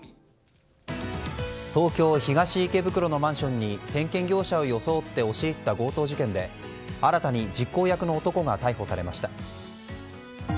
東京・東池袋のマンションに点検業者を装って押し入った強盗事件で新たに実行役の男が逮捕されました。